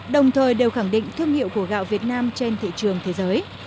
đồng thời đều khẳng định thương hiệu của gạo việt nam trên thị trường thế giới